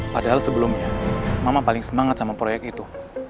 padahal sebelumnya mama paling semangat sama proyek itu